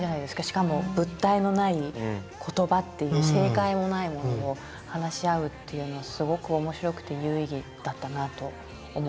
しかも物体のない言葉っていう正解もないものを話し合うっていうのすごく面白くて有意義だったなあと思って。